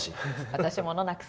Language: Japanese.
私ものなくす。